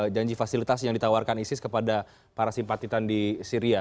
janji fasilitas yang ditawarkan isis kepada para simpatitan di syria